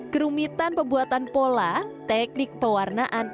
kerumitan pembuatan pola teknik pewarnaan